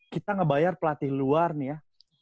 kita ngebayar pelatih luar nih ya